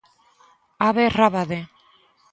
Abe Rábade.